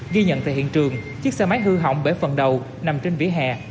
ghi nhận tại hiện trường chiếc xe máy hư hỏng bể phần đầu nằm trên vỉa hè